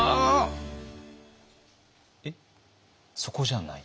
えっそこじゃない？